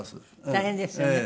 大変ですよね。